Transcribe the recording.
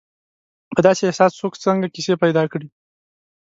په داسې احساس څوک څنګه کیسې پیدا کړي.